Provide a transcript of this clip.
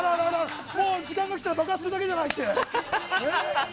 もう時間が来たら爆発するだけじゃないって。